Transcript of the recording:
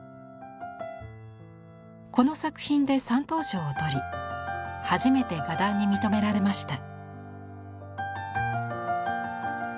この作品で三等賞を取り初めて画壇に認められました。